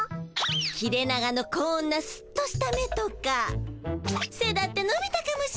切れ長のこんなスッとした目とかせだってのびたかもしれないし。